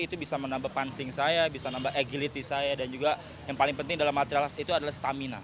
itu bisa menambah punsing saya bisa nambah agility saya dan juga yang paling penting dalam material arts itu adalah stamina